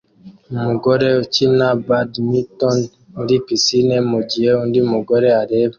Umugore ukina badminton muri pisine mugihe undi mugore areba